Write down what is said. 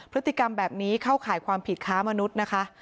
พฤติกรรมแบบนี้เข้าข่ายความผิดค้ามนุษย์นะคะ